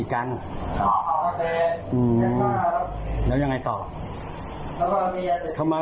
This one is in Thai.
ก็ตะโกนมาแล้วก็ลุกขึ้นมา